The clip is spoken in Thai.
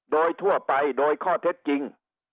โดยทั่วไปโดยข้อเท็จจริง